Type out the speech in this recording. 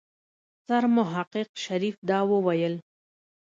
سرمحقق شريف دا وويل.